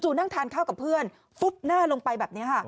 จู่นั่งทานเข้ากับเพื่อนน่าลงไปแบบนี้